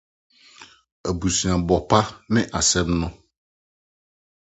Abusuabɔ Pa Ne Asɛm No